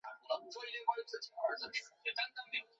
施工初期曾因接头漏风发生过有害气体中毒事故。